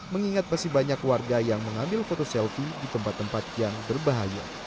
mengingat masih banyak warga yang mengambil foto selfie di tempat tempat yang berbahaya